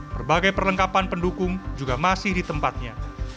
berbagai perlengkapan pendukung juga masih di tempatnya